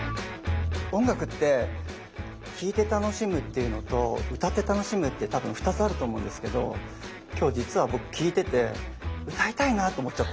音楽って聴いて楽しむっていうのと歌って楽しむってたぶん２つあると思うんですけど今日実は僕聴いてて歌いたいなと思っちゃった。